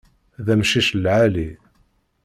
D amcic lɛali!